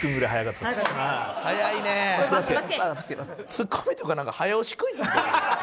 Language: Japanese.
ツッコミというかなんか早押しクイズみたい。